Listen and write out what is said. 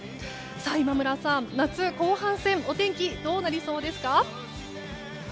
今村さん、夏後半戦お天気はどうなりそうですか？